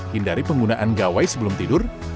hindari penggunaan gawai sebelum tidur